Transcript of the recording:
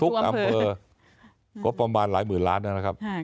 ทุกอำเภอก็ประมาณหลายหมื่นล้านนั่นแหละครับอ่า